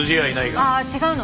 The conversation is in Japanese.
ああ違うの。